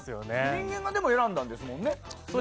人間が選んだんですもんね？